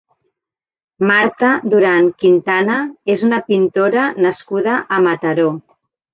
Marta Duran Quintana és una pintora nascuda a Mataró.